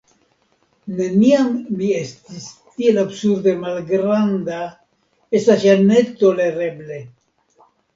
Neniam mi estis tiel absurde malgranda, estas ja ne tolereble.